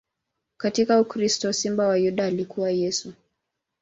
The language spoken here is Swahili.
Katika ukristo, Simba wa Yuda alikuwa Yesu.